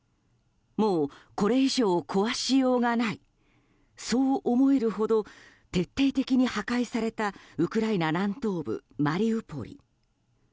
もうこれ以上、壊しようがないそう思えるほど徹底的に破壊されたウクライナ南東部マリウポリ。